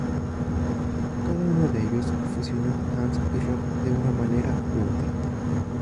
Cada uno de ellos fusionó "dance" y "rock" de una manera u otra.